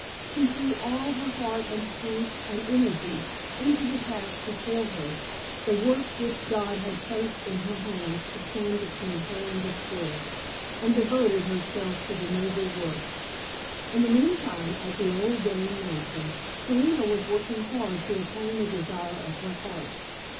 She threw all her heart and strength and energy into the task before her the work which God had placed in her hands to stand between her and despair and devoted herself to the noble work. In the meantime, at the old Dane mansion, Serena was working hard to attain the desire of her heart.